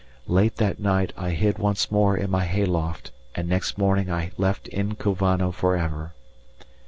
Late that night I hid once more in my hay loft and next morning I left Inkovano for ever.